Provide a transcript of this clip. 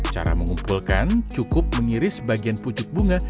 cara mengumpulkan cukup mengiris bagian pucuk bunga